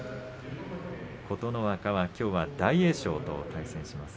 琴ノ若はきょうは大栄翔と対戦します。